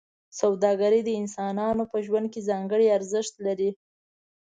سوداګري د انسانانو په ژوند کې ځانګړی ارزښت لري.